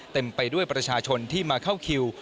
เต็มไปด้วยประชาชนที่มาเข้าคิว